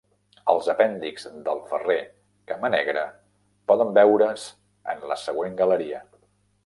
Els apèndixs del ferrer camanegre poden veure's en la següent galeria.